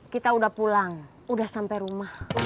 kita udah pulang udah sampai rumah